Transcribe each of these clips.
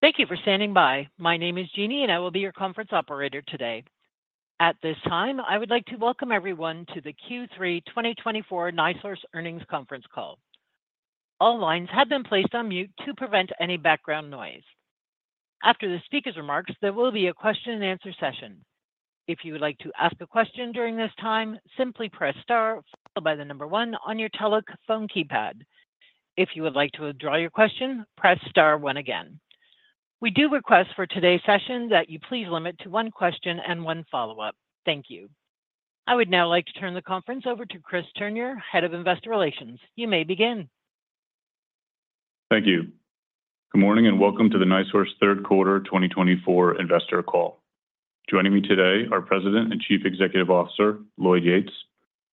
Thank you for standing by. My name is Jeannie, and I will be your conference operator today. At this time, I would like to welcome everyone to the Q3 2024 NiSource Earnings Conference Call. All lines have been placed on mute to prevent any background noise. After the speaker's remarks, there will be a Q&A session. If you would like to ask a question during this time, simply press star followed by the number one on your telephone keypad. If you would like to withdraw your question, press star one again. We do request for today's session that you please limit to one question and one follow-up. Thank you. I would now like to turn the conference over to Chris Turnure, Head of Investor Relations. You may begin. Thank you. Good morning and welcome to the NiSource Q3 2024 Investor Call. Joining me today are President and Chief Executive Officer Lloyd Yates,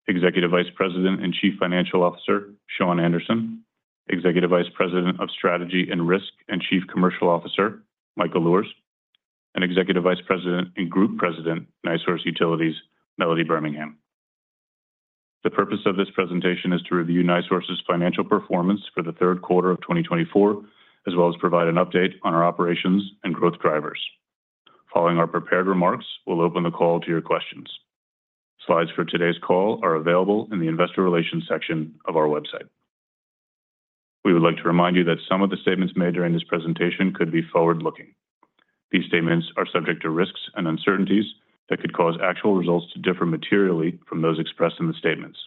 Executive Vice President and Chief Financial Officer Shawn Anderson, Executive Vice President of Strategy and Risk and Chief Commercial Officer Michael Luhrs, and Executive Vice President and Group President NiSource Utilities Melody Birmingham. The purpose of this presentation is to review NiSource's financial performance for the Q3 of 2024, as well as provide an update on our operations and growth drivers. Following our prepared remarks, we'll open the call to your questions. Slides for today's call are available in the Investor Relations section of our website. We would like to remind you that some of the statements made during this presentation could be forward-looking. These statements are subject to risks and uncertainties that could cause actual results to differ materially from those expressed in the statements.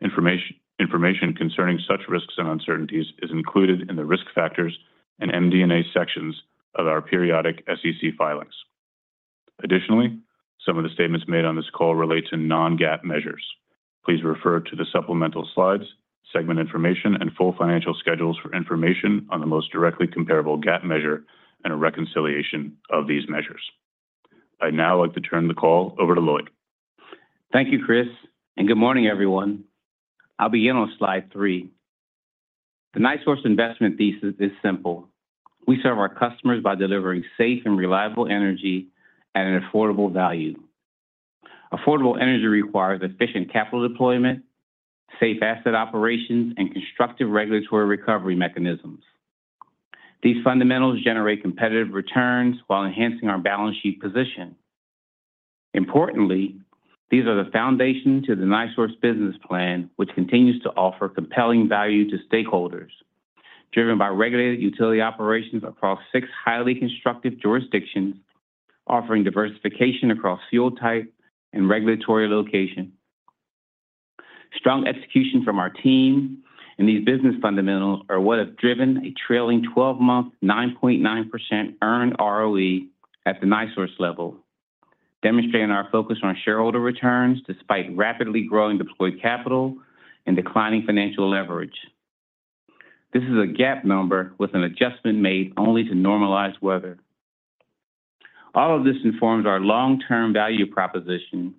Information concerning such risks and uncertainties is included in the risk factors and MD&A sections of our periodic SEC filings. Additionally, some of the statements made on this call relate to non-GAAP measures. Please refer to the supplemental slides, segment information, and full financial schedules for information on the most directly comparable GAAP measure and a reconciliation of these measures. I'd now like to turn the call over to Lloyd. Thank you, Chris, and good morning, everyone. I'll begin on Slide 3. The NiSource investment thesis is simple. We serve our customers by delivering safe and reliable energy at an affordable value. Affordable energy requires efficient capital deployment, safe asset operations, and constructive regulatory recovery mechanisms. These fundamentals generate competitive returns while enhancing our balance sheet position. Importantly, these are the foundation to the NiSource business plan, which continues to offer compelling value to stakeholders, driven by regulated utility operations across six highly constructive jurisdictions, offering diversification across fuel type and regulatory location. Strong execution from our team and these business fundamentals are what have driven a trailing 12-month 9.9% earned ROE at the NiSource level, demonstrating our focus on shareholder returns despite rapidly growing deployed capital and declining financial leverage. This is a GAAP number with an adjustment made only to normalize weather. All of this informs our long-term value proposition,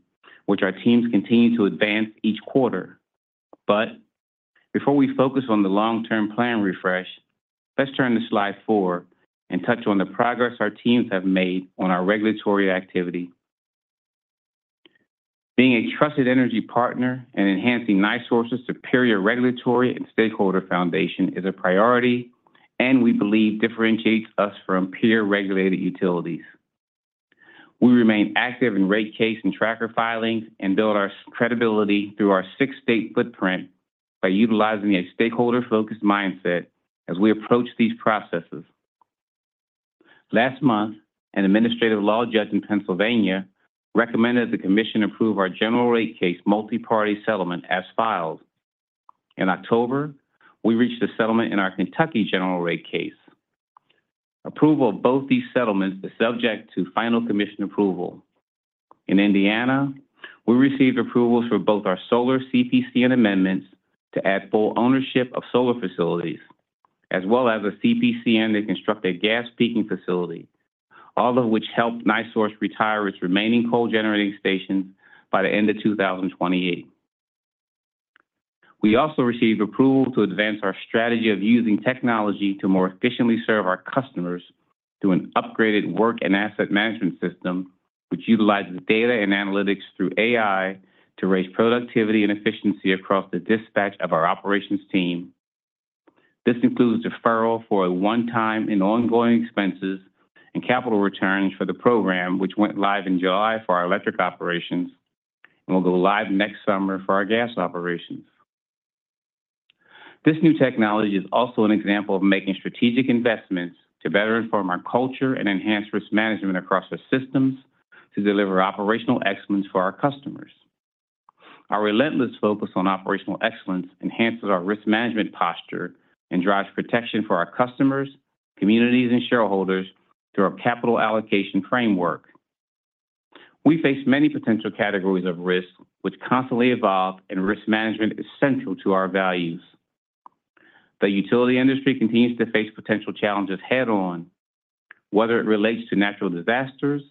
which our teams continue to advance each quarter. But before we focus on the long-term plan refresh, let's turn to Slide 4 and touch on the progress our teams have made on our regulatory activity. Being a trusted energy partner and enhancing NiSource's superior regulatory and stakeholder foundation is a priority, and we believe differentiates us from peer-regulated utilities. We remain active in rate case and tracker filings and build our credibility through our six-state footprint by utilizing a stakeholder-focused mindset as we approach these processes. Last month, an administrative law judge in Pennsylvania recommended that the Commission approve our general rate case multi-party settlement as filed. In October, we reached a settlement in our Kentucky general rate case. Approval of both these settlements is subject to final Commission approval. In Indiana, we received approvals for both our solar CPCN amendments to add full ownership of solar facilities, as well as a CPCN to construct a gas peaking facility, all of which helped NiSource retire its remaining coal-generating stations by the end of 2028. We also received approval to advance our strategy of using technology to more efficiently serve our customers through an upgraded work and asset management system, which utilizes data and analytics through AI to raise productivity and efficiency across the dispatch of our operations team. This includes deferral for one-time and ongoing expenses and capital returns for the program, which went live in July for our electric operations and will go live next summer for our gas operations. This new technology is also an example of making strategic investments to better inform our culture and enhance risk management across our systems to deliver operational excellence for our customers. Our relentless focus on operational excellence enhances our risk management posture and drives protection for our customers, communities, and shareholders through our capital allocation framework. We face many potential categories of risk, which constantly evolve, and risk management is central to our values. The utility industry continues to face potential challenges head-on, whether it relates to natural disasters,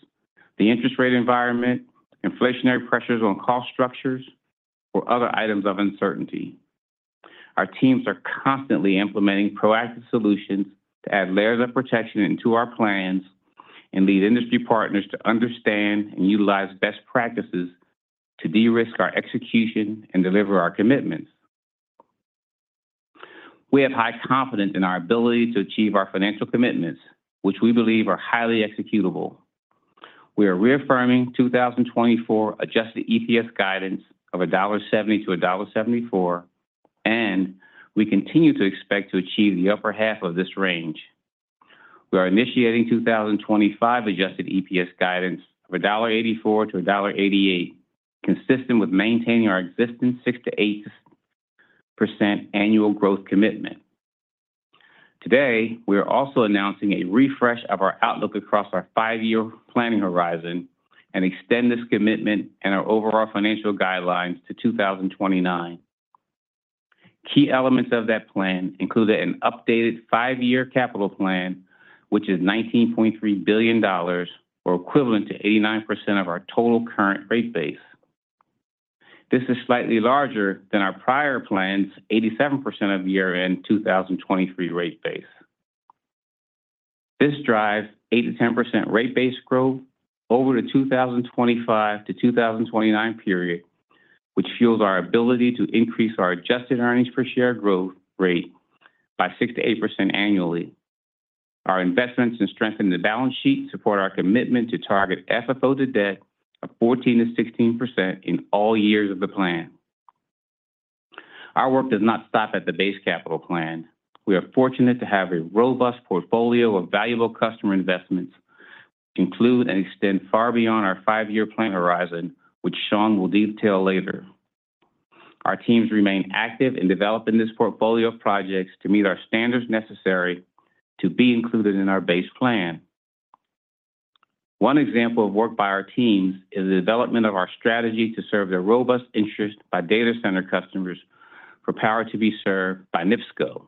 the interest rate environment, inflationary pressures on cost structures, or other items of uncertainty. Our teams are constantly implementing proactive solutions to add layers of protection into our plans and lead industry partners to understand and utilize best practices to de-risk our execution and deliver our commitments. We have high confidence in our ability to achieve our financial commitments, which we believe are highly executable. We are reaffirming 2024 adjusted EPS guidance of $1.70-$1.74, and we continue to expect to achieve the upper half of this range. We are initiating 2025 adjusted EPS guidance of $1.84-$1.88, consistent with maintaining our existing 6-8% annual growth commitment. Today, we are also announcing a refresh of our outlook across our five-year planning horizon and extend this commitment and our overall financial guidelines to 2029. Key elements of that plan include an updated five-year capital plan, which is $19.3 billion, or equivalent to 89% of our total current rate base. This is slightly larger than our prior plan's 87% of year-end 2023 rate base. This drives 8-10% rate base growth over the 2025 to 2029 period, which fuels our ability to increase our adjusted earnings per share growth rate by 6-8% annually. Our investments and strengthened balance sheet support our commitment to target FFO to debt of 14-16% in all years of the plan. Our work does not stop at the base capital plan. We are fortunate to have a robust portfolio of valuable customer investments, which include and extend far beyond our five-year plan horizon, which Shawn will detail later. Our teams remain active in developing this portfolio of projects to meet our standards necessary to be included in our base plan. One example of work by our teams is the development of our strategy to serve the robust interest by data center customers for power to be served by NIPSCO.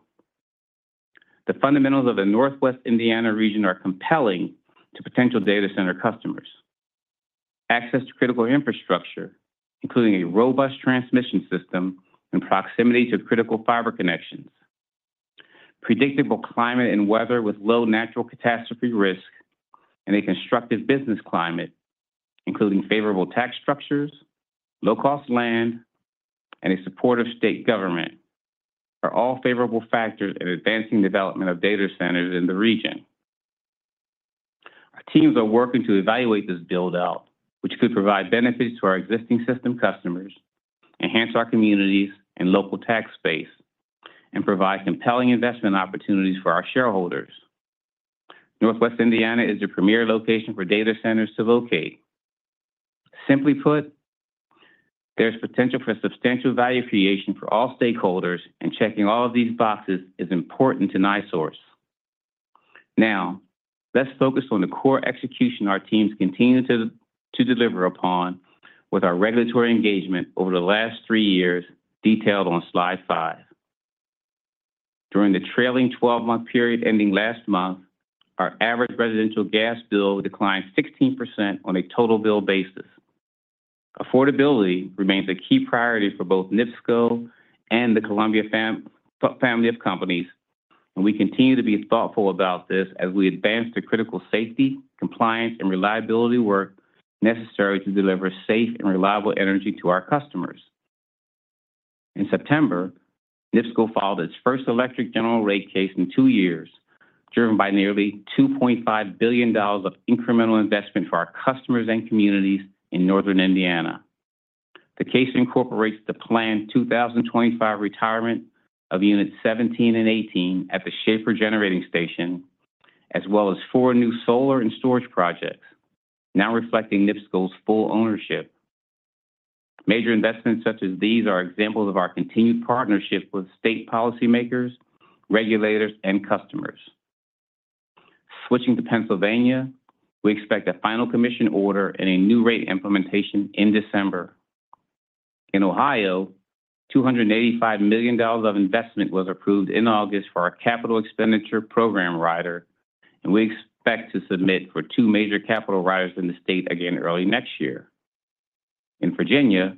The fundamentals of the Northwest Indiana region are compelling to potential data center customers. Access to critical infrastructure, including a robust transmission system and proximity to critical fiber connections, predictable climate and weather with low natural catastrophe risk, and a constructive business climate, including favorable tax structures, low-cost land, and a supportive state government, are all favorable factors in advancing the development of data centers in the region. Our teams are working to evaluate this build-out, which could provide benefits to our existing system customers, enhance our communities and local tax base, and provide compelling investment opportunities for our shareholders. Northwest Indiana is the premier location for data centers to locate. Simply put, there is potential for substantial value creation for all stakeholders, and checking all of these boxes is important to NiSource. Now, let's focus on the core execution our teams continue to deliver upon with our regulatory engagement over the last three years, detailed on Slide 5. During the trailing 12-month period ending last month, our average residential gas bill declined 16% on a total bill basis. Affordability remains a key priority for both NIPSCO and the Columbia family of companies, and we continue to be thoughtful about this as we advance the critical safety, compliance, and reliability work necessary to deliver safe and reliable energy to our customers. In September, NIPSCO filed its first electric general rate case in two years, driven by nearly $2.5 billion of incremental investment for our customers and communities in Northern Indiana. The case incorporates the planned 2025 retirement of units 17 and 18 at the Schahfer Generating Station, as well as four new solar and storage projects, now reflecting NIPSCO's full ownership. Major investments such as these are examples of our continued partnership with state policymakers, regulators, and customers. Switching to Pennsylvania, we expect a final Commission order and a new rate implementation in December. In Ohio, $285 million of investment was approved in August for our capital expenditure program rider, and we expect to submit for two major capital riders in the state again early next year. In Virginia,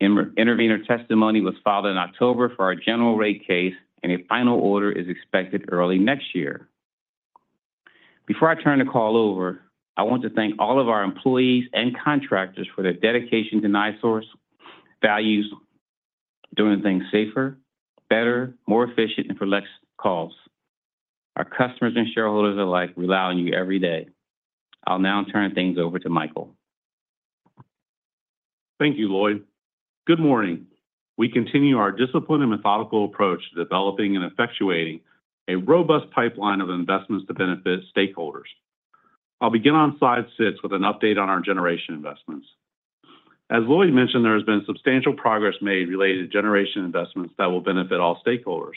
intervenor testimony was filed in October for our general rate case, and a final order is expected early next year. Before I turn the call over, I want to thank all of our employees and contractors for their dedication to NiSource values doing things Safer, Better, More Efficient, and for Less Costs. Our customers and shareholders alike rely on you every day. I'll now turn things over to Michael. Thank you, Lloyd. Good morning. We continue our disciplined and methodical approach to developing and effectuating a robust pipeline of investments to benefit stakeholders. I'll begin on Slide 6 with an update on our generation investments. As Lloyd mentioned, there has been substantial progress made related to generation investments that will benefit all stakeholders.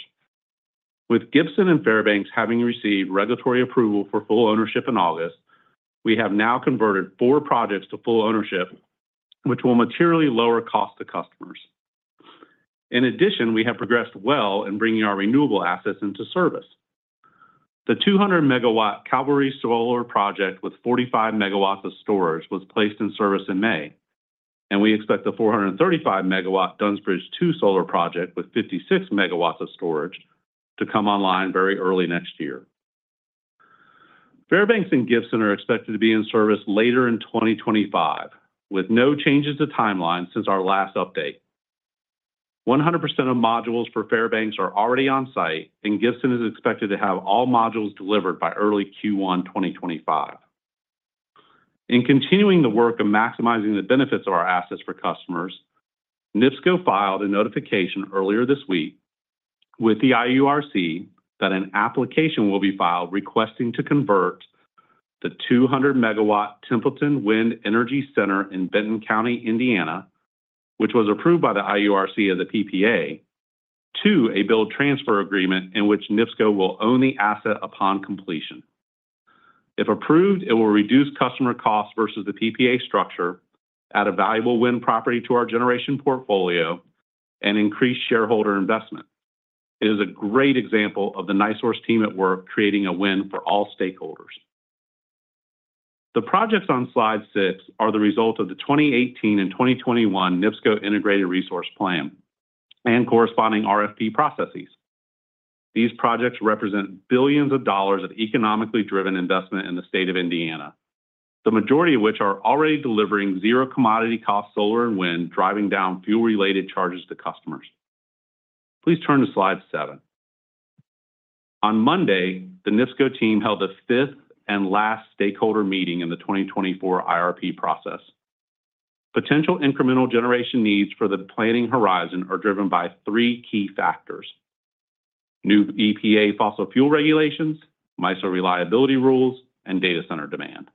With Gibson and Fairbanks having received regulatory approval for full ownership in August, we have now converted four projects to full ownership, which will materially lower costs to customers. In addition, we have progressed well in bringing our renewable assets into service. The 200-megawatt Cavalry Solar Project with 45 megawatts of storage was placed in service in May, and we expect the 435-megawatt Dunns Bridge II solar project with 56 megawatts of storage to come online very early next year. Fairbanks and Gibson are expected to be in service later in 2025, with no changes to timeline since our last update. 100% of modules for Fairbanks are already on site, and Gibson is expected to have all modules delivered by early Q1 2025. In continuing the work of maximizing the benefits of our assets for customers, NIPSCO filed a notification earlier this week with the IURC that an application will be filed requesting to convert the 200-megawatt Templeton Wind Energy Center in Benton County, Indiana, which was approved by the IURC as a PPA, to a build-transfer agreement in which NIPSCO will own the asset upon completion. If approved, it will reduce customer costs versus the PPA structure, add a valuable wind property to our generation portfolio, and increase shareholder investment. It is a great example of the NiSource team at work creating a win for all stakeholders. The projects on Slide 6 are the result of the 2018 and 2021 NIPSCO Integrated Resource Plan and corresponding RFP processes. These projects represent billions of dollars of economically driven investment in the state of Indiana, the majority of which are already delivering zero commodity cost solar and wind, driving down fuel-related charges to customers. Please turn to Slide 7. On Monday, the NIPSCO team held the fifth and last stakeholder meeting in the 2024 IRP process. Potential incremental generation needs for the planning horizon are driven by three key factors: new EPA fossil fuel regulations, MISO reliability rules, and data center demand.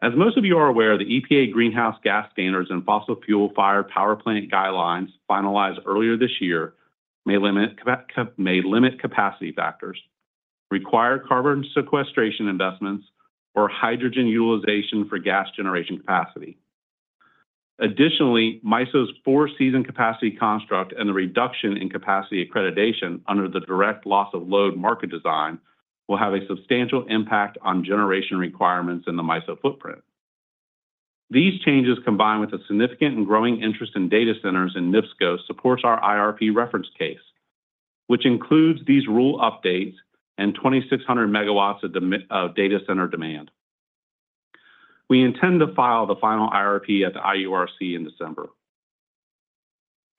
As most of you are aware, the EPA greenhouse gas standards and fossil fuel-fired power plant guidelines finalized earlier this year may limit capacity factors, require carbon sequestration investments, or hydrogen utilization for gas generation capacity. Additionally, MISO's four-season capacity construct and the reduction in capacity accreditation under the direct loss of load market design will have a substantial impact on generation requirements and the MISO footprint. These changes, combined with a significant and growing interest in data centers in NIPSCO, support our IRP reference case, which includes these rule updates and 2,600 megawatts of data center demand. We intend to file the final IRP at the IURC in December.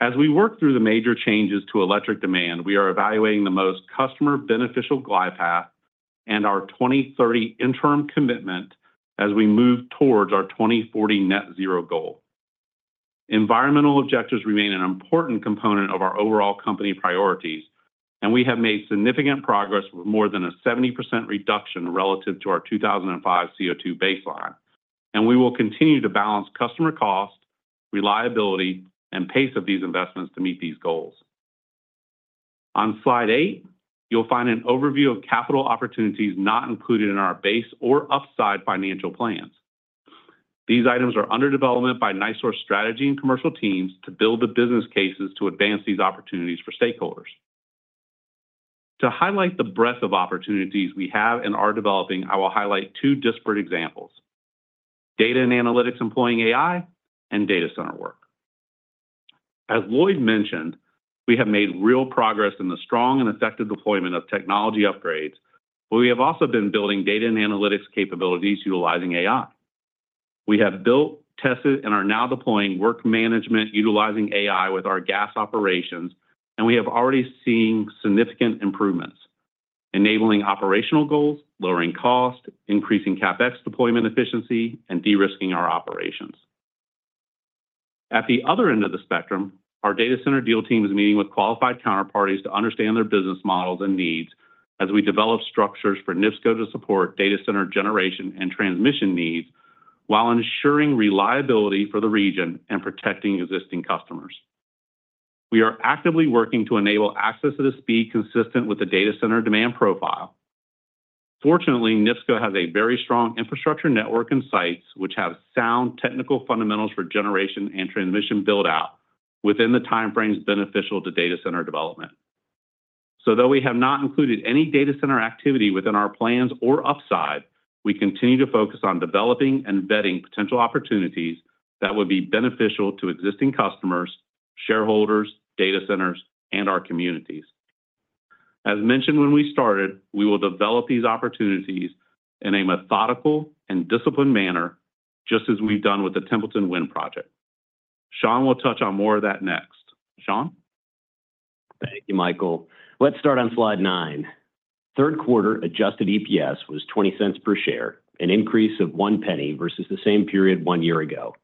As we work through the major changes to electric demand, we are evaluating the most customer-beneficial glide path and our 2030 interim commitment as we move towards our 2040 net-zero goal. Environmental objectives remain an important component of our overall company priorities, and we have made significant progress with more than a 70% reduction relative to our 2005 CO2 baseline, and we will continue to balance customer cost, reliability, and pace of these investments to meet these goals. On Slide 8, you'll find an overview of capital opportunities not included in our base or upside financial plans. These items are under development by NiSource Strategy and Commercial Teams to build the business cases to advance these opportunities for stakeholders. To highlight the breadth of opportunities we have and are developing, I will highlight two disparate examples: data and analytics employing AI and data center work. As Lloyd mentioned, we have made real progress in the strong and effective deployment of technology upgrades, but we have also been building data and analytics capabilities utilizing AI. We have built, tested, and are now deploying work management utilizing AI with our gas operations, and we have already seen significant improvements, enabling operational goals, lowering cost, increasing CapEx deployment efficiency, and de-risking our operations. At the other end of the spectrum, our data center deal team is meeting with qualified counterparties to understand their business models and needs as we develop structures for NIPSCO to support data center generation and transmission needs while ensuring reliability for the region and protecting existing customers. We are actively working to enable access to the speed consistent with the data center demand profile. Fortunately, NIPSCO has a very strong infrastructure network and sites, which have sound technical fundamentals for generation and transmission build-out within the timeframes beneficial to data center development. So though we have not included any data center activity within our plans or upside, we continue to focus on developing and vetting potential opportunities that would be beneficial to existing customers, shareholders, data centers, and our communities. As mentioned when we started, we will develop these opportunities in a methodical and disciplined manner, just as we've done with the Templeton Wind project. Shawn will touch on more of that next. Shawn? Thank you, Michael. Let's start on Slide 9. Q3 adjusted EPS was $0.20 per share, an increase of $0.01 versus the same period one year ago.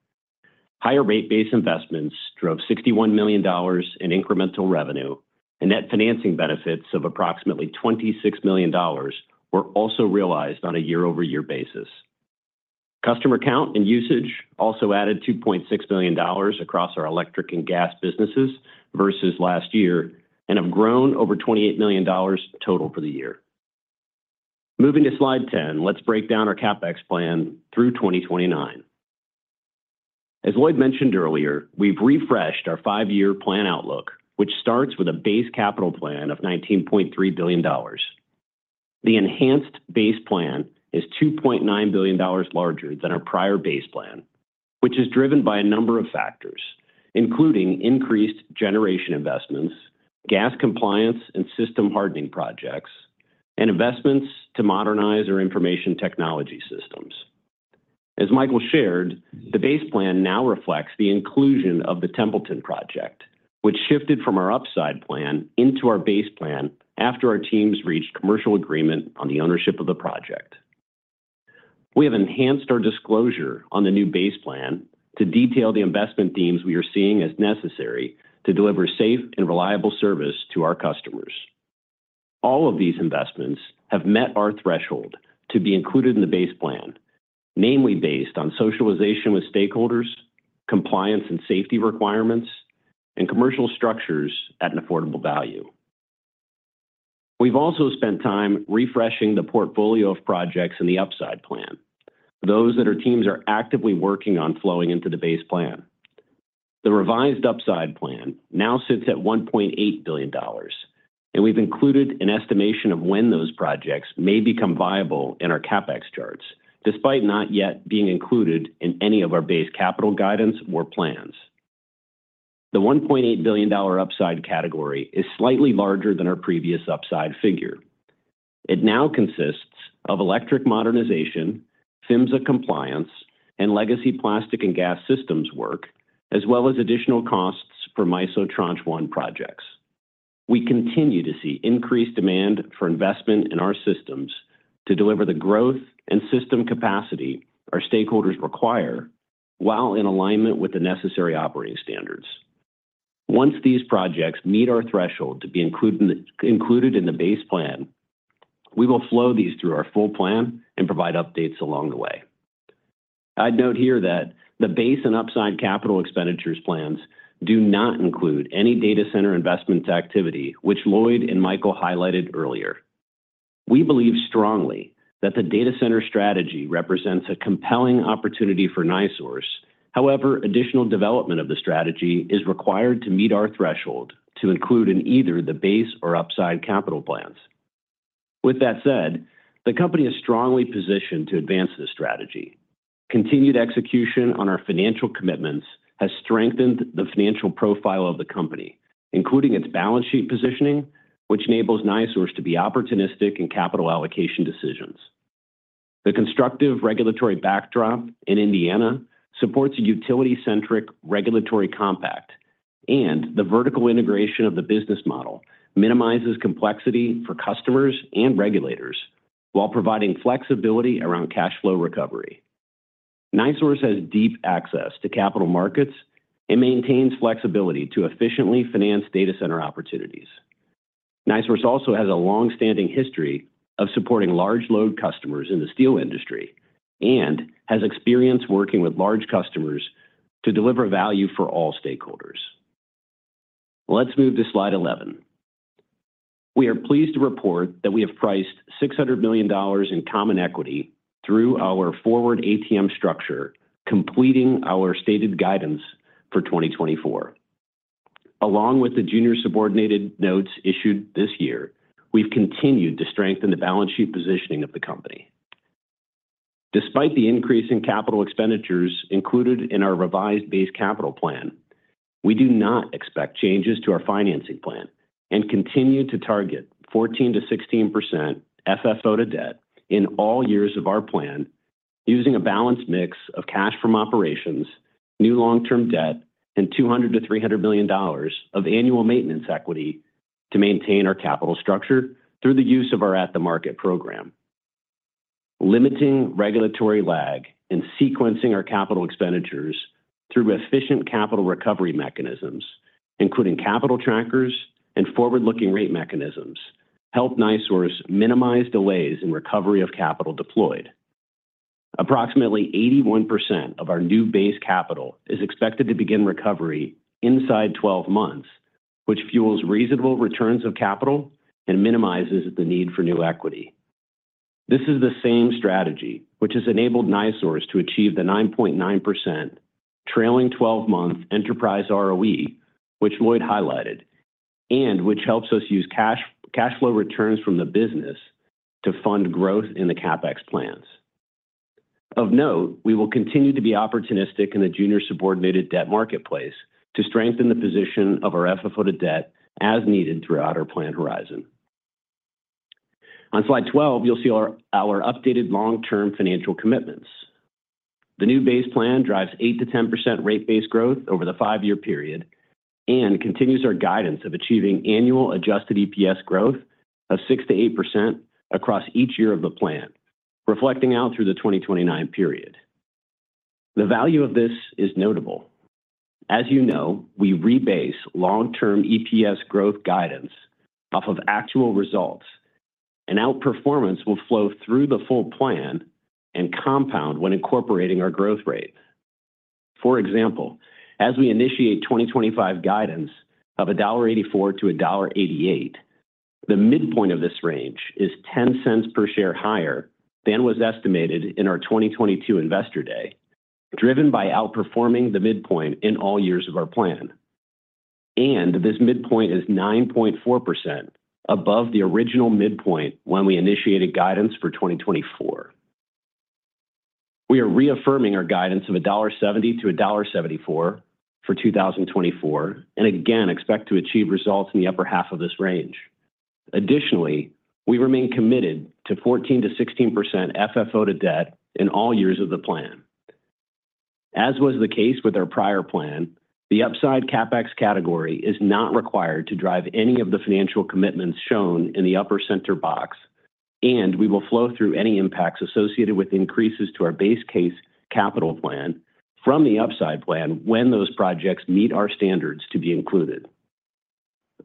Higher rate-based investments drove $61 million in incremental revenue, and net financing benefits of approximately $26 million were also realized on a year-over-year basis. Customer count and usage also added $2.6 million across our electric and gas businesses versus last year and have grown over $28 million total for the year. Moving to Slide 10, let's break down our CapEx plan through 2029. As Lloyd mentioned earlier, we've refreshed our five-year plan outlook, which starts with a base capital plan of $19.3 billion. The enhanced base plan is $2.9 billion larger than our prior base plan, which is driven by a number of factors, including increased generation investments, gas compliance and system hardening projects, and investments to modernize our information technology systems. As Michael shared, the base plan now reflects the inclusion of the Templeton project, which shifted from our upside plan into our base plan after our teams reached commercial agreement on the ownership of the project. We have enhanced our disclosure on the new base plan to detail the investment themes we are seeing as necessary to deliver safe and reliable service to our customers. All of these investments have met our threshold to be included in the base plan, namely based on socialization with stakeholders, compliance and safety requirements, and commercial structures at an affordable value. We've also spent time refreshing the portfolio of projects in the upside plan, those that our teams are actively working on flowing into the base plan. The revised upside plan now sits at $1.8 billion, and we've included an estimation of when those projects may become viable in our CapEx charts, despite not yet being included in any of our base capital guidance or plans. The $1.8 billion upside category is slightly larger than our previous upside figure. It now consists of electric modernization, PHMSA compliance, and legacy plastic and gas systems work, as well as additional costs for MISO Tranche 1 projects. We continue to see increased demand for investment in our systems to deliver the growth and system capacity our stakeholders require while in alignment with the necessary operating standards. Once these projects meet our threshold to be included in the base plan, we will flow these through our full plan and provide updates along the way. I'd note here that the base and upside capital expenditures plans do not include any data center investment activity, which Lloyd and Michael highlighted earlier. We believe strongly that the data center strategy represents a compelling opportunity for NiSource. However, additional development of the strategy is required to meet our threshold to include in either the base or upside capital plans. With that said, the company is strongly positioned to advance this strategy. Continued execution on our financial commitments has strengthened the financial profile of the company, including its balance sheet positioning, which enables NiSource to be opportunistic in capital allocation decisions. The constructive regulatory backdrop in Indiana supports a utility-centric regulatory compact, and the vertical integration of the business model minimizes complexity for customers and regulators while providing flexibility around cash flow recovery. NiSource has deep access to capital markets and maintains flexibility to efficiently finance data center opportunities. NiSource also has a long-standing history of supporting large load customers in the steel industry and has experience working with large customers to deliver value for all stakeholders. Let's move to Slide 11. We are pleased to report that we have priced $600 million in common equity through our forward ATM structure, completing our stated guidance for 2024. Along with the junior subordinated notes issued this year, we've continued to strengthen the balance sheet positioning of the company. Despite the increase in capital expenditures included in our revised base capital plan, we do not expect changes to our financing plan and continue to target 14%-16% FFO to debt in all years of our plan, using a balanced mix of cash from operations, new long-term debt, and $200-$300 million of annual maintenance equity to maintain our capital structure through the use of our at-the-market program. Limiting regulatory lag and sequencing our capital expenditures through efficient capital recovery mechanisms, including capital trackers and forward-looking rate mechanisms, help NiSource minimize delays in recovery of capital deployed. Approximately 81% of our new base capital is expected to begin recovery inside 12 months, which fuels reasonable returns of capital and minimizes the need for new equity. This is the same strategy which has enabled NiSource to achieve the 9.9% trailing 12-month enterprise ROE, which Lloyd highlighted, and which helps us use cash flow returns from the business to fund growth in the CapEx plans. Of note, we will continue to be opportunistic in the junior subordinated debt marketplace to strengthen the position of our FFO to debt as needed throughout our plan horizon. On Slide 12, you'll see our updated long-term financial commitments. The new base plan drives 8%-10% rate-based growth over the five-year period and continues our guidance of achieving annual adjusted EPS growth of 6%-8% across each year of the plan, reflecting out through the 2029 period. The value of this is notable. As you know, we rebase long-term EPS growth guidance off of actual results, and outperformance will flow through the full plan and compound when incorporating our growth rate. For example, as we initiate 2025 guidance of $1.84-$1.88, the midpoint of this range is $0.10 per share higher than was estimated in our 2022 investor day, driven by outperforming the midpoint in all years of our plan. And this midpoint is 9.4% above the original midpoint when we initiated guidance for 2024. We are reaffirming our guidance of $1.70-$1.74 for 2024 and again expect to achieve results in the upper half of this range. Additionally, we remain committed to 14%-16% FFO to debt in all years of the plan. As was the case with our prior plan, the upside CapEx category is not required to drive any of the financial commitments shown in the upper center box, and we will flow through any impacts associated with increases to our base case capital plan from the upside plan when those projects meet our standards to be included.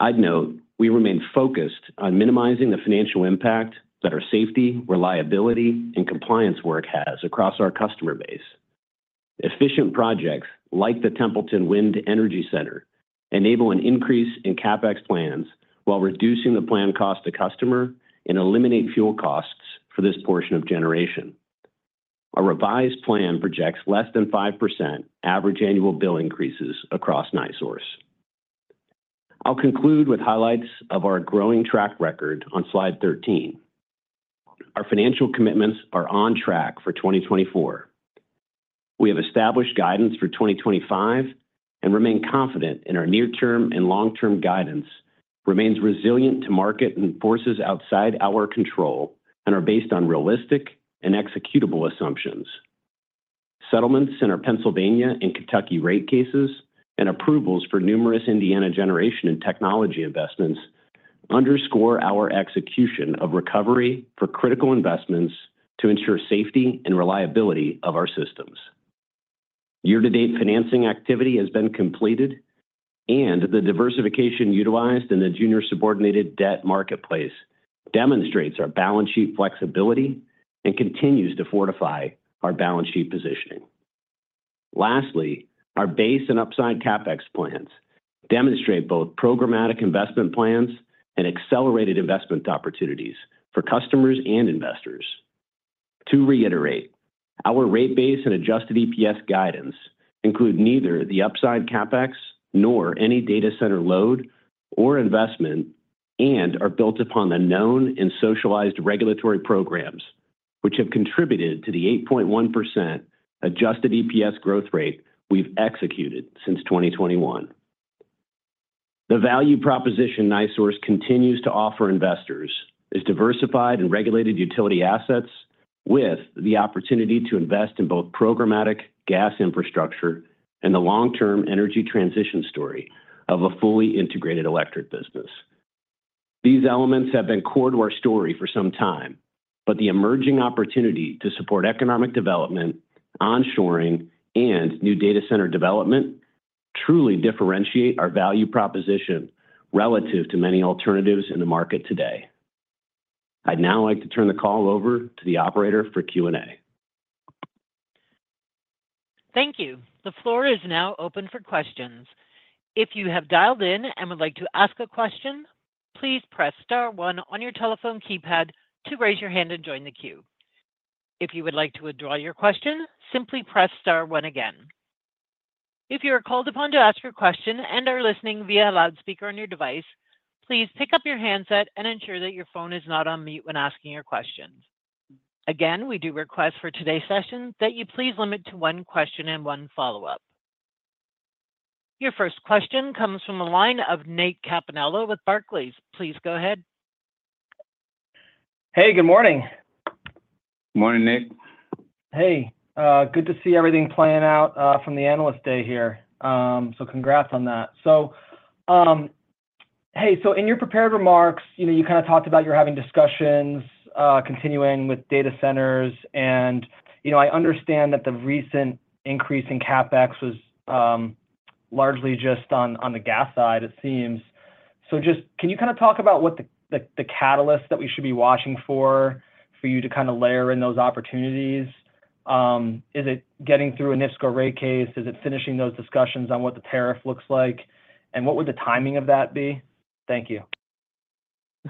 I'd note we remain focused on minimizing the financial impact that our safety, reliability, and compliance work has across our customer base. Efficient projects like the Templeton Wind Energy Center enable an increase in CapEx plans while reducing the plan cost to customer and eliminate fuel costs for this portion of generation. Our revised plan projects less than 5% average annual bill increases across NiSource. I'll conclude with highlights of our growing track record on Slide 13. Our financial commitments are on track for 2024. We have established guidance for 2025 and remain confident in our near-term and long-term guidance. It remains resilient to market and forces outside our control and is based on realistic and executable assumptions. Settlements in our Pennsylvania and Kentucky rate cases and approvals for numerous Indiana generation and technology investments underscore our execution of recovery for critical investments to ensure safety and reliability of our systems. Year-to-date financing activity has been completed, and the diversification utilized in the junior subordinated debt marketplace demonstrates our balance sheet flexibility and continues to fortify our balance sheet positioning. Lastly, our base and upside CapEx plans demonstrate both programmatic investment plans and accelerated investment opportunities for customers and investors. To reiterate, our rate-based and adjusted EPS guidance includes neither the upside CapEx nor any data center load or investment and are built upon the known and socialized regulatory programs, which have contributed to the 8.1% adjusted EPS growth rate we've executed since 2021. The value proposition NiSource continues to offer investors is diversified and regulated utility assets with the opportunity to invest in both programmatic gas infrastructure and the long-term energy transition story of a fully integrated electric business. These elements have been core to our story for some time, but the emerging opportunity to support economic development, onshoring, and new data center development truly differentiate our value proposition relative to many alternatives in the market today. I'd now like to turn the call over to the operator for Q&A. Thank you. The floor is now open for questions. If you have dialed in and would like to ask a question, please press star one on your telephone keypad to raise your hand and join the queue. If you would like to withdraw your question, simply press star one again. If you are called upon to ask your question and are listening via a loudspeaker on your device, please pick up your handset and ensure that your phone is not on mute when asking your questions. Again, we do request for today's session that you please limit to one question and one follow-up. Your first question comes from a line of Nicholas Campanella with Barclays. Please go ahead. Good morning. Good morning, Nick. Good to see everything playing out from the analyst day here. So congrats on that. So in your prepared remarks, youtalked about you're having discussions continuing with data centers. And I understand that the recent increase in CapEx was largely just on the gas side, it seems. So just can you talk about what the catalysts that we should be watching for for you to layer in those opportunities? Is it getting through a NIPSCO rate case? Is it finishing those discussions on what the tariff looks like? And what would the timing of that be? Thank you.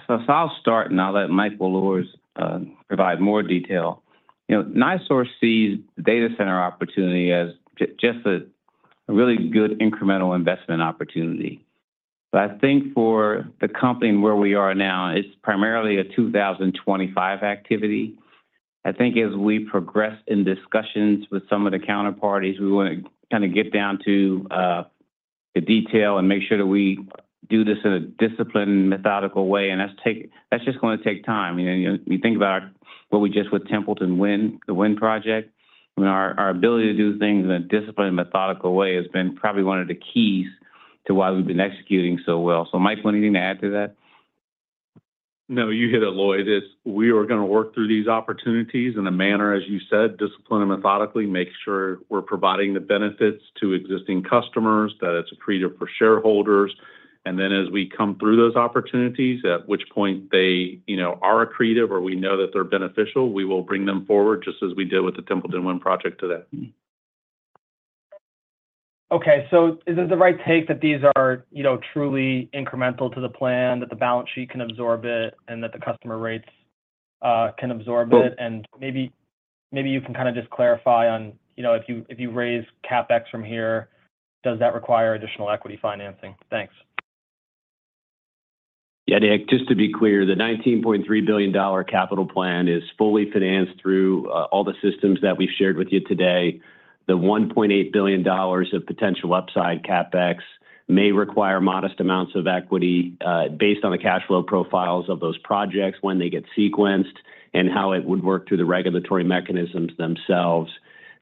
So I'll start, and I'll let Michael Luhrs provide more detail. NiSource sees data center opportunity as just a really good incremental investment opportunity. But for the company where we are now, it's primarily a 2025 activity. As we progress in discussions with some of the counterparties, we want to get down to the detail and make sure that we do this in a disciplined and methodical way. And that's just going to take time. You think about what we just with Templeton Wind, the wind project. Our ability to do things in a disciplined and methodical way has been probably one of the keys to why we've been executing so well. So Michael, anything to add to that? No, you hit it, Lloyd. We are going to work through these opportunities in a manner, as you said, disciplined and methodically, making sure we're providing the benefits to existing customers, that it's accretive for shareholders. And then as we come through those opportunities, at which point they are accretive or we know that they're beneficial, we will bring them forward just as we did with the Templeton Wind project today. Okay. So is it the right take that these are truly incremental to the plan, that the balance sheet can absorb it, and that the customer rates can absorb it? And maybe you can just clarify on if you raise CapEx from here, does that require additional equity financing? Thanks. Nick, just to be clear, the $19.3 billion capital plan is fully financed through all the systems that we've shared with you today. The $1.8 billion of potential upside CapEx may require modest amounts of equity based on the cash flow profiles of those projects when they get sequenced and how it would work through the regulatory mechanisms themselves.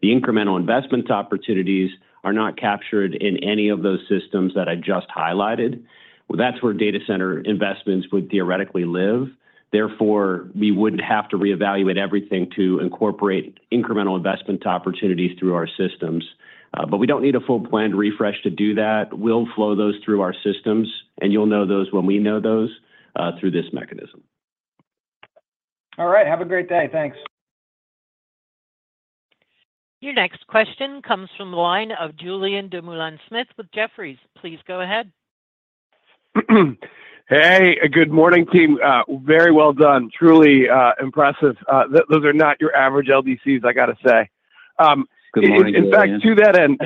The incremental investment opportunities are not captured in any of those systems that I just highlighted. That's where data center investments would theoretically live. Therefore, we would have to reevaluate everything to incorporate incremental investment opportunities through our systems. But we don't need a full plan refresh to do that. We'll flow those through our systems, and you'll know those when we know those through this mechanism. All right. Have a great day. Thanks. Your next question comes from the line of Julien Dumoulin-Smith with Jefferies. Please go ahead. Hey, good morning, team. Very well done. Truly impressive. Those are not your average LDCs, I got to say. Good morning, Nick. In fact, to that end,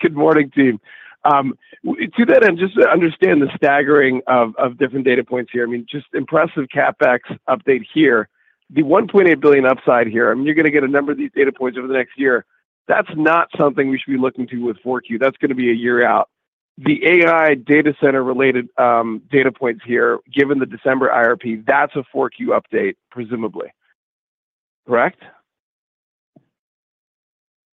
good morning, team. To that end, just to understand the staggering of different data points here, just impressive CapEx update here. The $1.8 billion upside here, you're going to get a number of these data points over the next year. That's not something we should be looking to wait for Q. That's going to be a year out. The AI data center related data points here, given the December IRP, that's a Q4 update, presumably. Correct?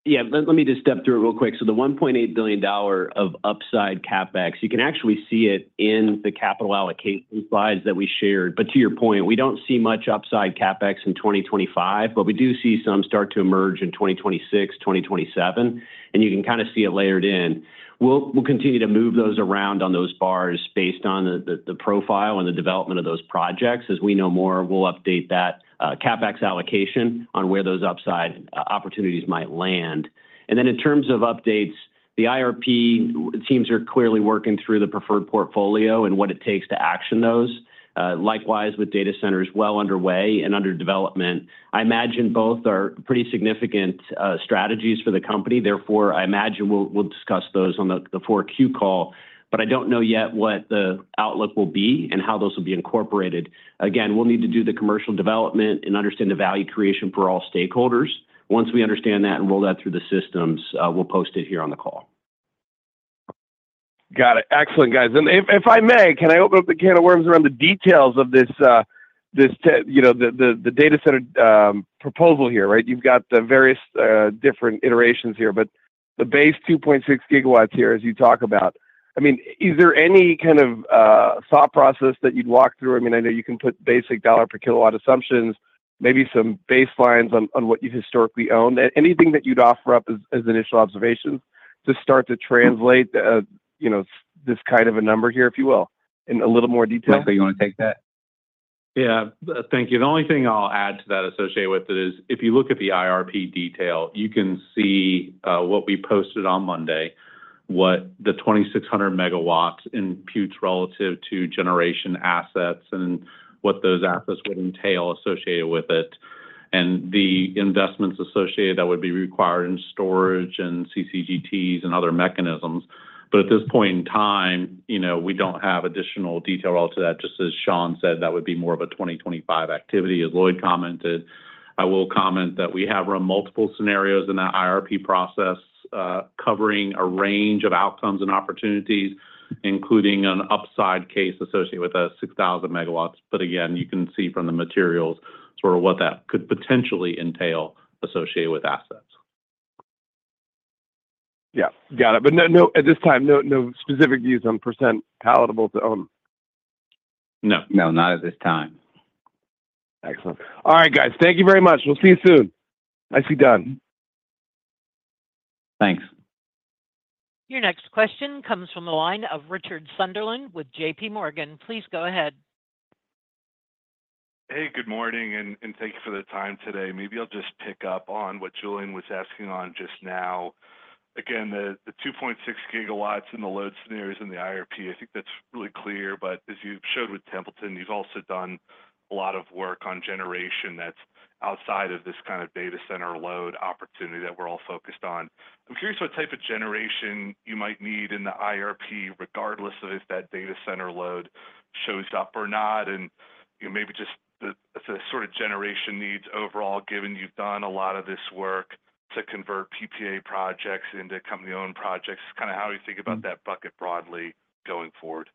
Let me just step through it real quick. So the $1.8 billion of upside CapEx, you can actually see it in the capital allocation slides that we shared. To your point, we don't see much upside CapEx in 2025, but we do see some start to emerge in 2026, 2027. You can see it layered in. We'll continue to move those around on those bars based on the profile and the development of those projects. As we know more, we'll update that CapEx allocation on where those upside opportunities might land. In terms of updates, the IRP teams are clearly working through the preferred portfolio and what it takes to action those. Likewise, with data centers well underway and under development, I imagine both are pretty significant strategies for the company. Therefore, I imagine we'll discuss those on the Q4 call, but I don't know yet what the outlook will be and how those will be incorporated. Again, we'll need to do the commercial development and understand the value creation for all stakeholders. Once we understand that and roll that through the systems, we'll post it here on the call. Got it. Excellent, guys. And if I may, can I open up the can of worms around the details of the data center proposal here, right? You've got the various different iterations here, but the base 2.6 gigawatts here as you talk about. Is there any thought process that you'd walk through? I know you can put basic dollar per kilowatt assumptions, maybe some baselines on what you've historically owned. Anything that you'd offer up as initial observations to start to translate this a number here, if you will, in a little more detail? Michael, you want to take that? Thank you. The only thing I'll add to that associated with it is if you look at the IRP detail, you can see what we posted on Monday, what the 2,600 megawatts implies relative to generation assets and what those assets would entail associated with it, and the investments associated that would be required in storage and CCGTs and other mechanisms. But at this point in time, we don't have additional detail relative to that. Just as Shawn said, that would be more of a 2025 activity, as Lloyd commented. I will comment that we have run multiple scenarios in that IRP process covering a range of outcomes and opportunities, including an upside case associated with a 6,000 megawatts. But again, you can see from the materials what that could potentially entail associated with assets. Got it. But at this time, no specific views on percent palatable to own? No. No, not at this time. Excellent. All right, guys. Thank you very much. We'll see you soon. Nice to be done. Thanks. Your next question comes from the line of Richard Sunderland with JP Morgan. Please go ahead. Good morning, and thank you for the time today. Maybe I'll just pick up on what Julian was asking on just now. Again, the 2.6 gigawatts and the load scenarios in the IRP, that's really clear. But as you've showed with Templeton, you've also done a lot of work on generation that's outside of this data center load opportunity that we're all focused on. I'm curious what type of generation you might need in the IRP, regardless of if that data center load shows up or not, and maybe just the generation needs overall, given you've done a lot of this work to convert PPA projects into company-owned projects. How do you think about that bucket broadly going forward?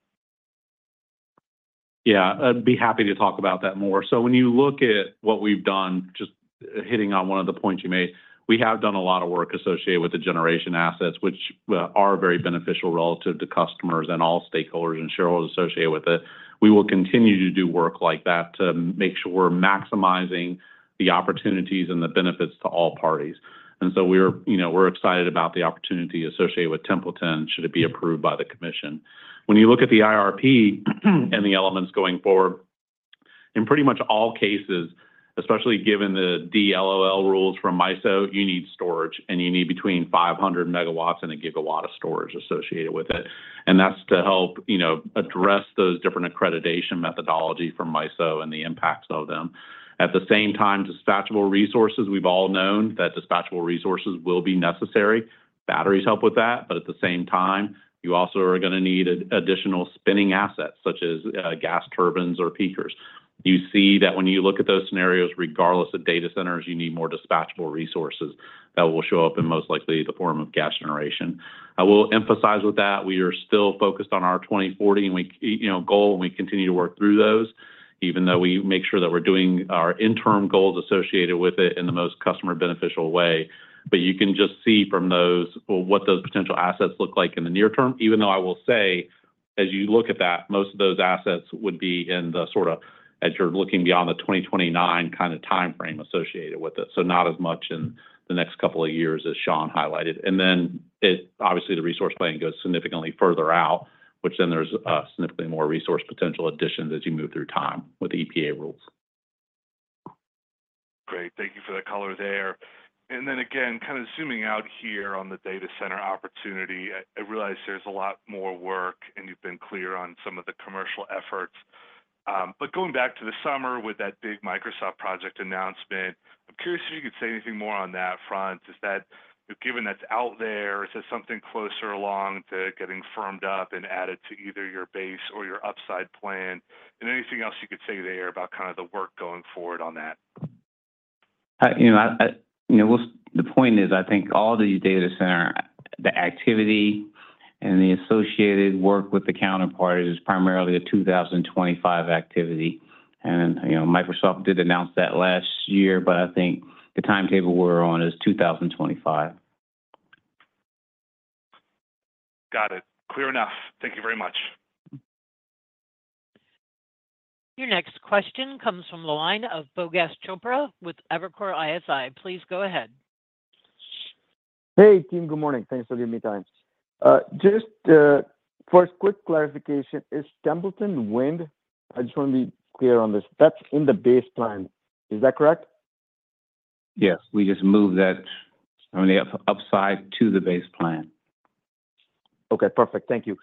I'd be happy to talk about that more. So when you look at what we've done, just hitting on one of the points you made, we have done a lot of work associated with the generation assets, which are very beneficial relative to customers and all stakeholders and shareholders associated with it. We will continue to do work like that to make sure we're maximizing the opportunities and the benefits to all parties, and so we're excited about the opportunity associated with Templeton should it be approved by the commission. When you look at the IRP and the elements going forward, in pretty much all cases, especially given the DLOL rules from MISO, you need storage, and you need between 500 megawatts and a gigawatt of storage associated with it, and that's to help address those different accreditation methodologies from MISO and the impacts of them. At the same time, dispatchable resources, we've all known that dispatchable resources will be necessary. Batteries help with that. But at the same time, you also are going to need additional spinning assets, such as gas turbines or peakers. You see that when you look at those scenarios, regardless of data centers, you need more dispatchable resources that will show up in most likely the form of gas generation. I will emphasize with that, we are still focused on our 2040 goal, and we continue to work through those, even though we make sure that we're doing our interim goals associated with it in the most customer-beneficial way. But you can just see from those what those potential assets look like in the near term, even though I will say, as you look at that, most of those assets would be in as you're looking beyond the 2029 timeframe associated with it. So not as much in the next couple of years as Shawn highlighted. And then obviously, the resource plan goes significantly further out, which then there's significantly more resource potential additions as you move through time with EPA rules. Great. Thank you for the color there. And then again, zooming out here on the data center opportunity, I realize there's a lot more work, and you've been clear on some of the commercial efforts. But going back to the summer with that big Microsoft project announcement, I'm curious if you could say anything more on that front. Given that's out there, is it something closer along to getting firmed up and added to either your base or your upside plan? And anything else you could say there about the work going forward on that? The point is all the data center, the activity and the associated work with the counterpart is primarily a 2025 activity, and Microsoft did announce that last year, but the timetable we're on is 2025. Got it. Clear enough. Thank you very much. Your next question comes from the line of Durgesh Chopra with Evercore ISI. Please go ahead. Team. Good morning. Thanks for giving me time. Just first, quick clarification. Is Templeton Wind, I just want to be clear on this, that's in the base plan. Is that correct? Yes. We just moved that on the upside to the base plan. Okay. Perfect. Thank you.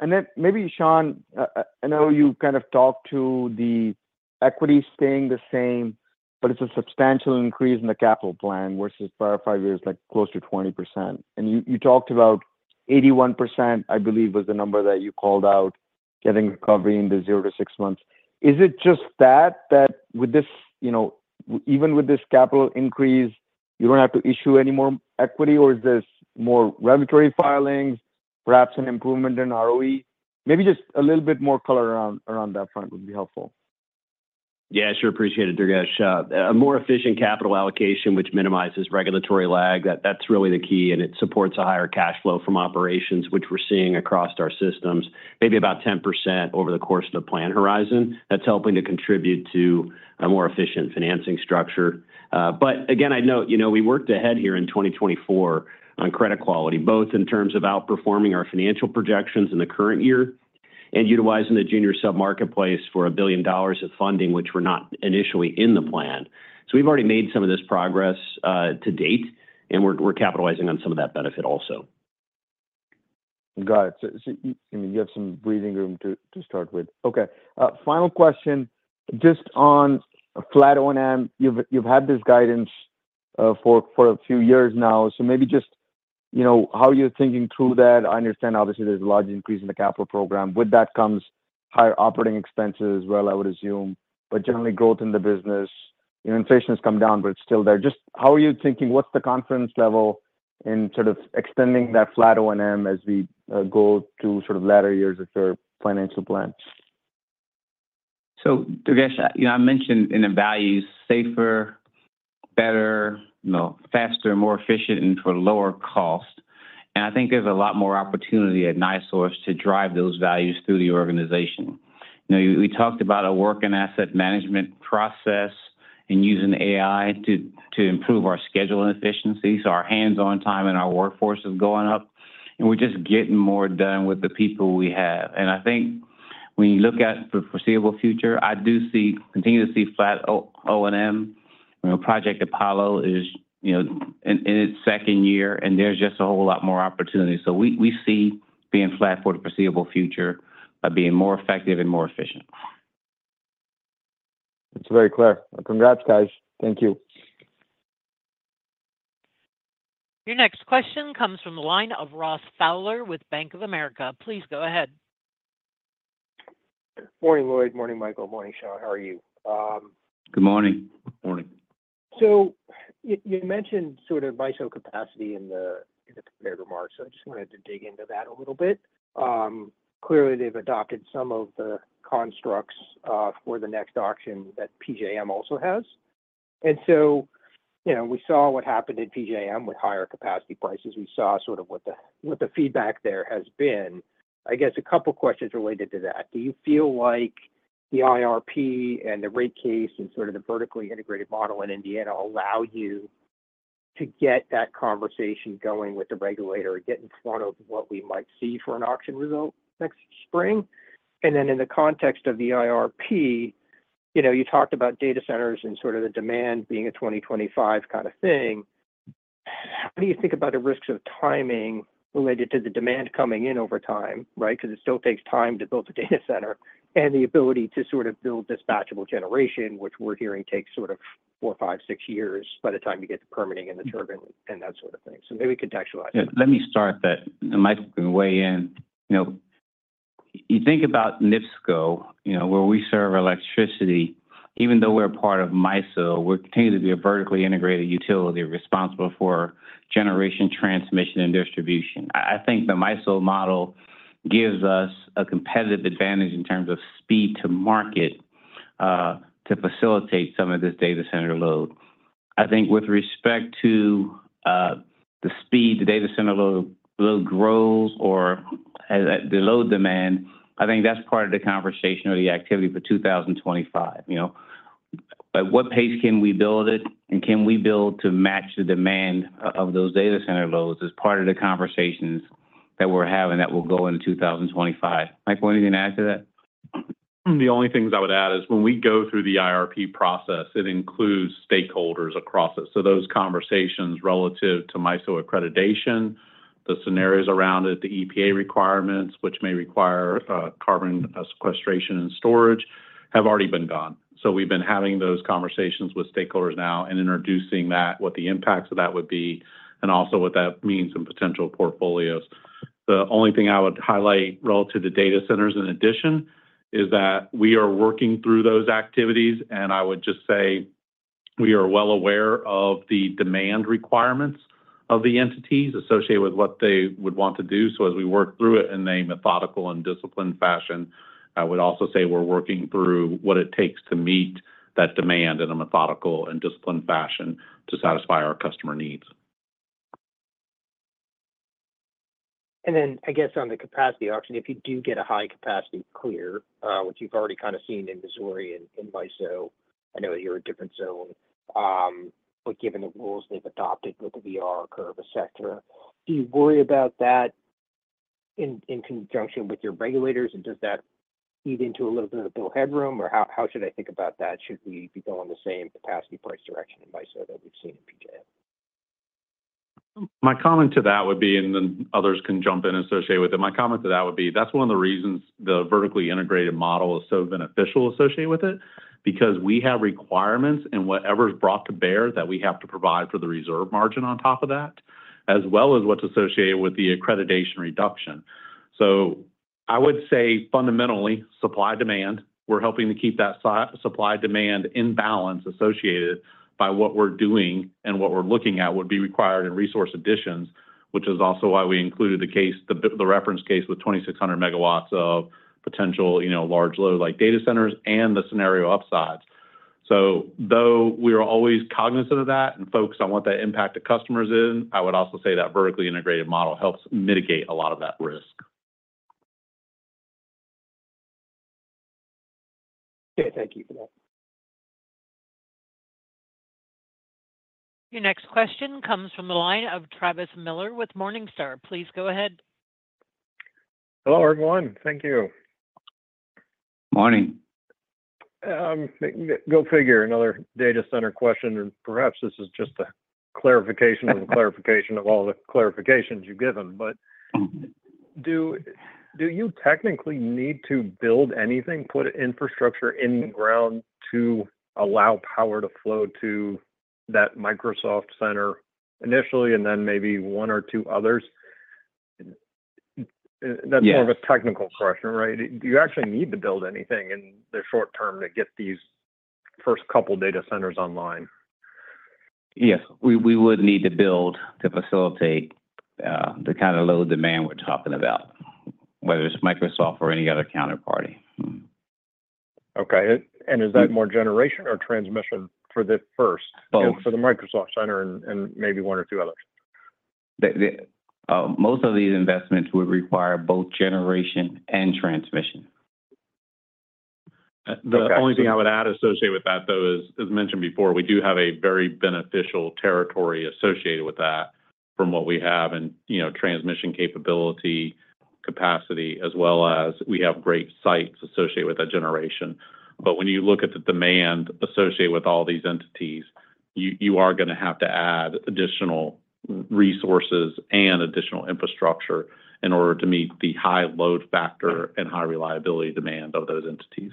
And then maybe, Shawn, I know you talked to the equity staying the same, but it's a substantial increase in the capital plan versus prior five years, like close to 20%. And you talked about 81%, I believe, was the number that you called out, getting recovery in the zero to six months. Is it just that, that with this, even with this capital increase, you don't have to issue any more equity, or is this more regulatory filings, perhaps an improvement in ROE? Maybe just a little bit more color around that front would be helpful. Sure. Appreciate it, Durgesh. A more efficient capital allocation, which minimizes regulatory lag, that's really the key. And it supports a higher cash flow from operations, which we're seeing across our systems, maybe about 10% over the course of the plan horizon. That's helping to contribute to a more efficient financing structure. But again, I note we worked ahead here in 2024 on credit quality, both in terms of outperforming our financial projections in the current year and utilizing the junior sub-marketplace for $1 billion of funding, which were not initially in the plan. So we've already made some of this progress to date, and we're capitalizing on some of that benefit also. Got it. So you have some breathing room to start with. Okay. Final question. Just on flat O&M, you've had this guidance for a few years now. So maybe just how you're thinking through that. I understand, obviously, there's a large increase in the capital program. With that comes higher operating expenses as well, I would assume, but generally growth in the business. Inflation has come down, but it's still there. Just how are you thinking? What's the confidence level in extending that flat O&M as we go to latter years of your financial plan? Durgesh, I mentioned in the values, safer, better, faster, more efficient, and for lower cost. There's a lot more opportunity at NiSource to drive those values through the organization. We talked about a work and asset management process and using AI to improve our scheduling efficiencies. Our hands-on time in our workforce is going up, and we're just getting more done with the people we have. When you look at the foreseeable future, I do continue to see flat O&M. Project Apollo is in its second year, and there's just a whole lot more opportunity. We see being flat for the foreseeable future of being more effective and more efficient. That's very clear. Congrats, guys. Thank you. Your next question comes from the line of Ross Fowler with Bank of America. Please go ahead. Morning, Lloyd. Morning, Michael. Morning, Shawn. How are you? Good morning. Morning. So you mentioned MISO capacity in the prepared remarks. So I just wanted to dig into that a little bit. Clearly, they've adopted some of the constructs for the next auction that PJM also has. And so we saw what happened at PJM with higher capacity prices. We saw what the feedback there has been. A couple of questions related to that. Do you feel like the IRP and the rate case and the vertically integrated model in Indiana allow you to get that conversation going with the regulator, get in front of what we might see for an auction result next spring? And then in the context of the IRP, you talked about data centers and the demand being a 2025 thing. How do you think about the risks of timing related to the demand coming in over time, right? Because it still takes time to build a data center and the ability to build dispatchable generation, which we're hearing takes four, five, six years by the time you get the permitting and the turbine and that thing, so maybe contextualize that. Let me start that. And Michael can weigh in. You think about NIPSCO, where we serve electricity. Even though we're a part of MISO, we're continuing to be a vertically integrated utility responsible for generation, transmission, and distribution. The MISO model gives us a competitive advantage in terms of speed to market to facilitate some of this data center load. With respect to the speed, the data center load grows or the load demand, that's part of the conversation or the activity for 2025. At what pace can we build it, and can we build to match the demand of those data center loads as part of the conversations that we're having that will go into 2025? Michael, anything to add to that? The only things I would add is when we go through the IRP process, it includes stakeholders across it. So those conversations relative to MISO accreditation, the scenarios around it, the EPA requirements, which may require carbon sequestration and storage, have already been gone. So we've been having those conversations with stakeholders now and introducing that, what the impacts of that would be, and also what that means in potential portfolios. The only thing I would highlight relative to the data centers in addition is that we are working through those activities, and I would just say we are well aware of the demand requirements of the entities associated with what they would want to do. So as we work through it in a methodical and disciplined fashion, I would also say we're working through what it takes to meet that demand in a methodical and disciplined fashion to satisfy our customer needs. And then on the capacity auction, if you do get a high capacity clear, which you've already seen in Missouri and in MISO, I know that you're a different zone. But given the rules they've adopted with the VR curve, etc., do you worry about that in conjunction with your regulators? And does that eat into a little bit of bill headroom? Or how should about that? Should we be going the same capacity price direction in MISO that we've seen in PJM? My comment to that would be, and then others can jump in associated with it. My comment to that would be, that's one of the reasons the vertically integrated model is so beneficial associated with it, because we have requirements in whatever's brought to bear that we have to provide for the reserve margin on top of that, as well as what's associated with the accreditation reduction. So I would say fundamentally, supply demand, we're helping to keep that supply demand in balance associated by what we're doing and what we're looking at would be required in resource additions, which is also why we included the reference case with 2,600 megawatts of potential large load-like data centers and the scenario upsides. So though we are always cognizant of that and focused on what that impact to customers is, I would also say that vertically integrated model helps mitigate a lot of that risk. Okay. Thank you for that. Your next question comes from the line of Travis Miller with Morningstar. Please go ahead. Hello, everyone. Thank you. Morning. Go figure. Another data center question. And perhaps this is just a clarification of the clarification of all the clarifications you've given. But do you technically need to build anything, put infrastructure in the ground to allow power to flow to that Microsoft center initially and then maybe one or two others? That's more of a technical question, right? Do you actually need to build anything in the short term to get these first couple of data centers online? Yes. We would need to build to facilitate the load demand we're talking about, whether it's Microsoft or any other counterparty. Okay. And is that more generation or transmission for the first and for the Microsoft center and maybe one or two others? Most of these investments would require both generation and transmission. The only thing I would add associated with that, though, is, as mentioned before, we do have a very beneficial territory associated with that from what we have in transmission capability, capacity, as well as we have great sites associated with that generation, but when you look at the demand associated with all these entities, you are going to have to add additional resources and additional infrastructure in order to meet the high load factor and high reliability demand of those entities.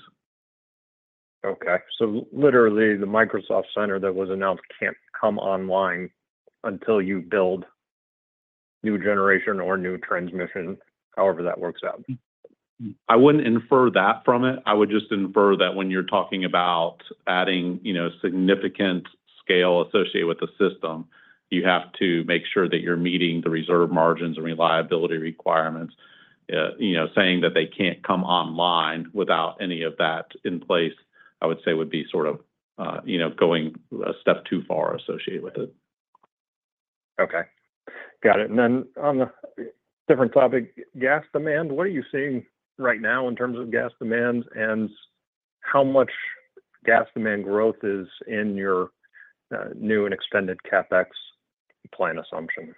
Okay. So literally, the Microsoft center that was announced can't come online until you build new generation or new transmission, however that works out. I wouldn't infer that from it. I would just infer that when you're talking about adding significant scale associated with the system, you have to make sure that you're meeting the reserve margins and reliability requirements. Saying that they can't come online without any of that in place, I would say would be going a step too far associated with it. Okay. Got it. And then on a different topic, gas demand, what are you seeing right now in terms of gas demand and how much gas demand growth is in your new and extended CapEx plan assumption?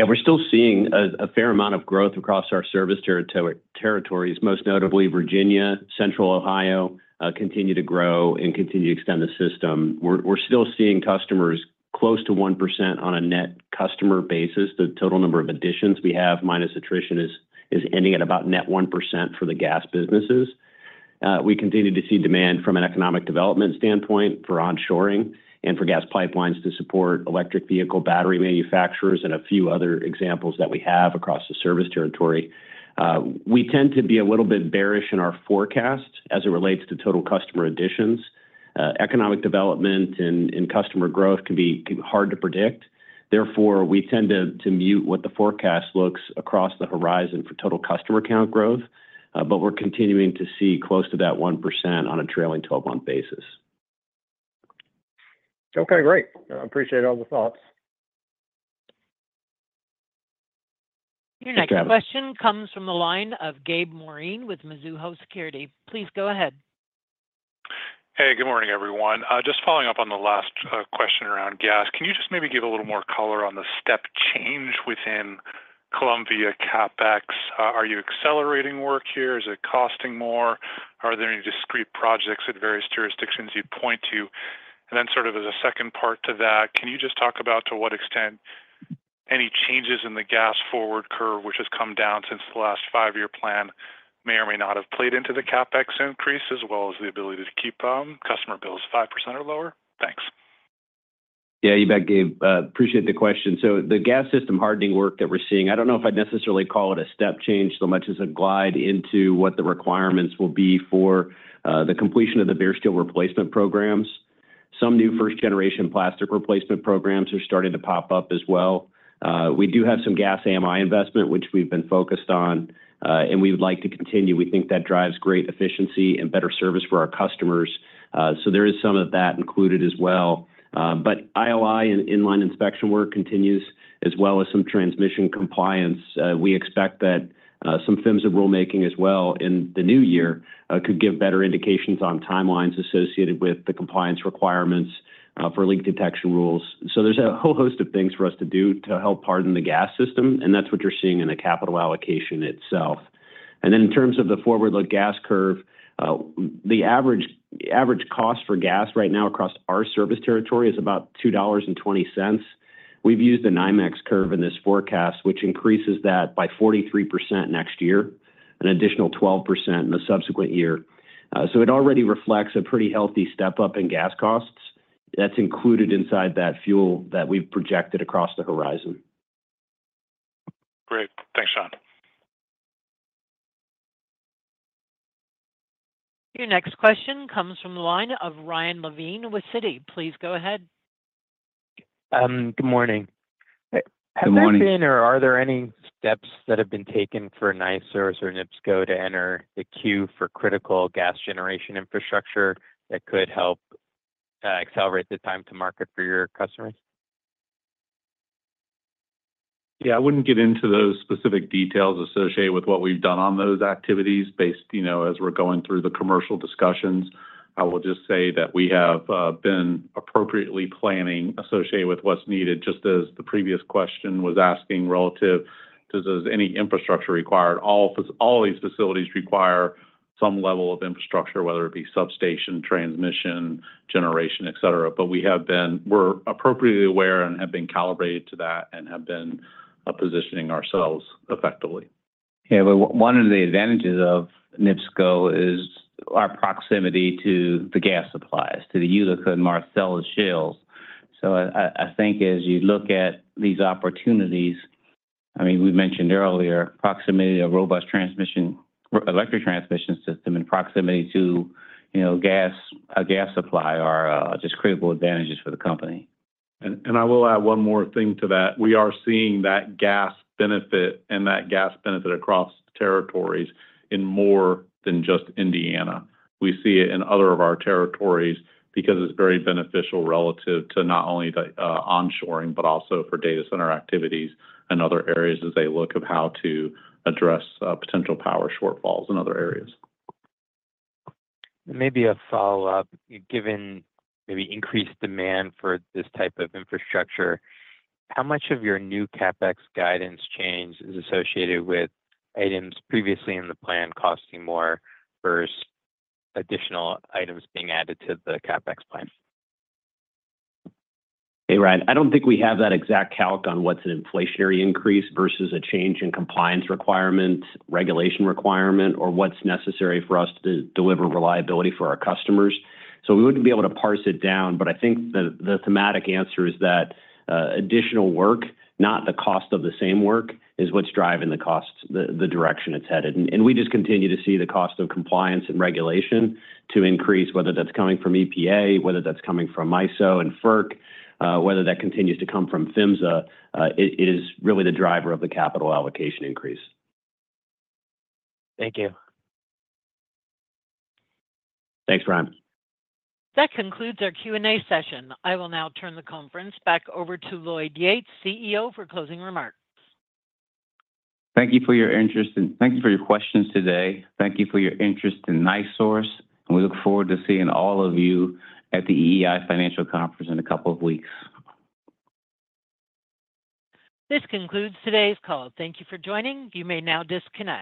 We're still seeing a fair amount of growth across our service territories, most notably Virginia, Central Ohio, continue to grow and continue to extend the system. We're still seeing customers close to 1% on a net customer basis. The total number of additions we have, minus attrition, is ending at about net 1% for the gas businesses. We continue to see demand from an economic development standpoint for onshoring and for gas pipelines to support electric vehicle battery manufacturers and a few other examples that we have across the service territory. We tend to be a little bit bearish in our forecast as it relates to total customer additions. Economic development and customer growth can be hard to predict. Therefore, we tend to mute what the forecast looks across the horizon for total customer count growth. But we're continuing to see close to that 1% on a trailing 12-month basis. Okay. Great. I appreciate all the thoughts. Your next question comes from the line of Gabriel Moreen with Mizuho Securities. Please go ahead. Good morning, everyone. Just following up on the last question around gas, can you just maybe give a little more color on the step change within Columbia CapEx? Are you accelerating work here? Is it costing more? Are there any discrete projects at various jurisdictions you point to? And then as a second part to that, can you just talk about to what extent any changes in the gas forward curve, which has come down since the last five-year plan, may or may not have played into the CapEx increase as well as the ability to keep customer bills 5% or lower? Thanks. You bet, Gabriel. Appreciate the question. So the gas system hardening work that we're seeing, I don't know if I'd necessarily call it a step change so much as a glide into what the requirements will be for the completion of the bare steel replacement programs. Some new first-generation plastic replacement programs are starting to pop up as well. We do have some gas AMI investment, which we've been focused on, and we would like to continue. We think that drives great efficiency and better service for our customers. So there is some of that included as well. But ILI and in-line inspection work continues, as well as some transmission compliance. We expect that some PHMSA rulemaking as well in the new year could give better indications on timelines associated with the compliance requirements for leak detection rules. So there's a whole host of things for us to do to help harden the gas system. And that's what you're seeing in the capital allocation itself. And then in terms of the forward-look gas curve, the average cost for gas right now across our service territory is about $2.20. We've used the NYMEX curve in this forecast, which increases that by 43% next year and an additional 12% in the subsequent year. So it already reflects a pretty healthy step up in gas costs that's included inside that fuel that we've projected across the horizon. Great. Thanks, Shawn. Your next question comes from the line of Ryan Levine with Citi. Please go ahead. Good morning. Good morning. Have there been or are there any steps that have been taken for NiSource or NIPSCO to enter the queue for critical gas generation infrastructure that could help accelerate the time to market for your customers? I wouldn't get into those specific details associated with what we've done on those activities as we're going through the commercial discussions. I will just say that we have been appropriately planning associated with what's needed, just as the previous question was asking relative to any infrastructure required. All these facilities require some level of infrastructure, whether it be substation, transmission, generation, etc. But we're appropriately aware and have been calibrated to that and have been positioning ourselves effectively. One of the advantages of NIPSCO is our proximity to the gas supplies, to the Utica and Marcellus shales. So as you look at these opportunities, we mentioned earlier, proximity to a robust electric transmission system and proximity to a gas supply are just critical advantages for the company. And I will add one more thing to that. We are seeing that gas benefit and that gas benefit across territories in more than just Indiana. We see it in other of our territories because it's very beneficial relative to not only the onshoring, but also for data center activities and other areas as they look at how to address potential power shortfalls in other areas. Maybe a follow-up. Given maybe increased demand for this type of infrastructure, how much of your new CapEx guidance change is associated with items previously in the plan costing more versus additional items being added to the CapEx plan? Ryan. I don't think we have that exact calc on what's an inflationary increase versus a change in compliance requirement, regulation requirement, or what's necessary for us to deliver reliability for our customers. So we wouldn't be able to parse it down. But the thematic answer is that additional work, not the cost of the same work, is what's driving the cost, the direction it's headed. And we just continue to see the cost of compliance and regulation to increase, whether that's coming from EPA, whether that's coming from MISO and FERC, whether that continues to come from PHMSA. It is really the driver of the capital allocation increase. Thank you. Thanks, Ryan. That concludes our Q&A session. I will now turn the conference back over to Lloyd Yates, CEO, for closing remarks. Thank you for your interest and thank you for your questions today. Thank you for your interest in NiSource. We look forward to seeing all of you at the EEI Financial Conference in a couple of weeks. This concludes today's call. Thank you for joining. You may now disconnect.